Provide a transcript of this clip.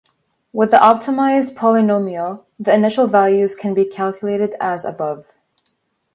With the optimized polynomial, the initial values can be calculated as above.